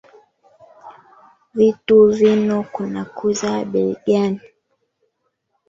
Vitu vino kunakuza bei gani.